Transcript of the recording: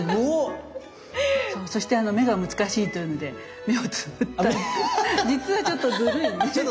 そして目が難しいというので目をつぶった実はちょっとずるい。